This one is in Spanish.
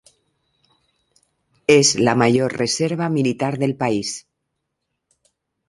Es la mayor reserva militar del país.